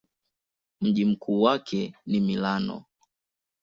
Mji mkuu wake ni Milano.